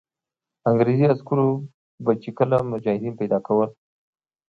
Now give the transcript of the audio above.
انګرېزي عسکرو به چې کله مجاهدین پیدا کول.